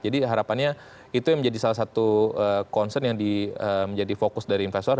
jadi harapannya itu yang menjadi salah satu concern yang menjadi fokus dari investor